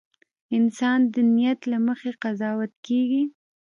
• انسان د نیت له مخې قضاوت کېږي.